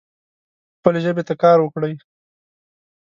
خپلې ژبې ته کار وکړئ